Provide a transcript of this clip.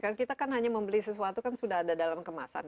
karena kita kan hanya membeli sesuatu kan sudah ada dalam kemasan